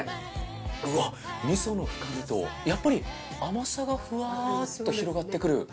うわっ味噌の深みとやっぱり甘さがふわっと広がってくる。